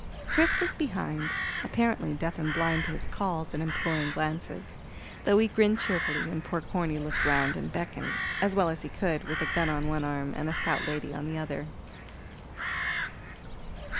Chris was behind, apparently deaf and blind to his calls and imploring glances, though he grinned cheerfully when poor Corny looked round and beckoned, as well as he could, with a gun on one arm and a stout lady on the other.